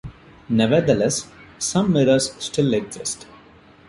Nevertheless, some mirrors still exist.